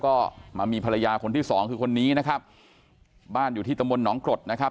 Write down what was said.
ก็มามีภรรยาคนที่สองคือคนนี้นะครับบ้านอยู่ที่ตำบลหนองกรดนะครับ